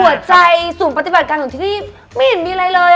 หัวใจศูนย์ปฏิบัติการของที่นี่ไม่เห็นมีอะไรเลย